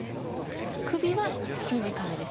首は短めです。